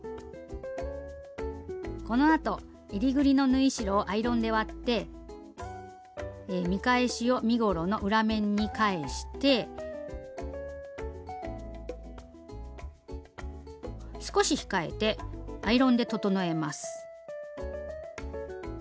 このあとえりぐりの縫い代をアイロンで割って見返しを身ごろの裏面に返して少し控えてアイロンで整えます。